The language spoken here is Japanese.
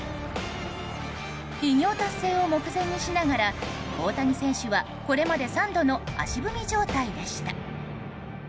偉業達成を目前にしながら大谷選手はこれまで３度の足踏み状態でした。